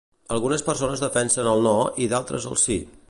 Algunes persones defenen el No i d'altres el Sí.